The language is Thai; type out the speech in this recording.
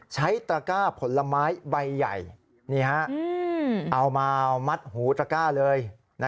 ตระก้าผลไม้ใบใหญ่เอามามัดหูตระก้าเลย